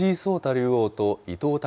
竜王と伊藤匠